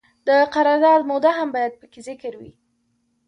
د قرارداد موده هم باید پکې ذکر وي.